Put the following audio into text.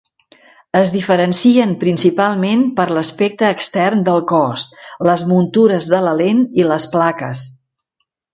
Es diferencien principalment per l'aspecte extern del cos, les muntures de la lent i les plaques.